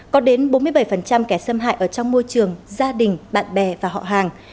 có đến bốn mươi bảy kẻ xâm hại ở trong môi trường gia đình bạn bè và họ hàng